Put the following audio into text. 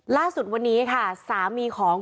ล่าสุดวันนี้ค่ะสามีของ